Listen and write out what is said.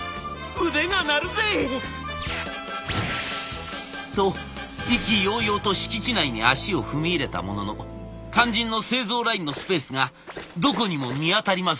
腕が鳴るぜ！」。と意気揚々と敷地内に足を踏み入れたものの肝心の製造ラインのスペースがどこにも見当たりません。